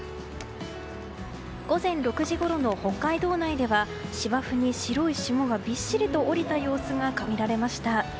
午前６時ごろの北海道内では芝生に白い霜がびっしりと降りた様子が見られました。